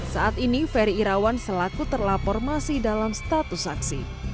saat ini ferry irawan selaku terlapor masih dalam status saksi